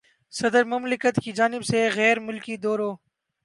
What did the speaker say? صدر مملکت کی جانب سے غیر ملکی دوروں